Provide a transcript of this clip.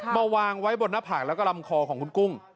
มาวางไว้บนหน้าผากแล้วก็ลำคอของคุณกุ้ง